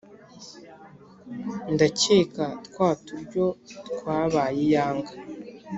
ndakeka twa turyo twabaye iyanga